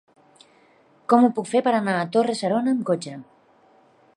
Com ho puc fer per anar a Torre-serona amb cotxe?